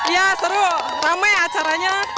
ya seru ramai acaranya